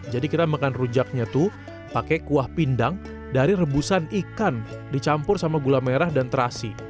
jadi kita makan rujaknya tuh pakai kuah pindang dari rebusan ikan dicampur sama gula merah dan terasi